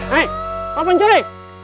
hei pak pencuri